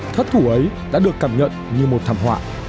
thất thủ ấy đã được cảm nhận như một thảm họa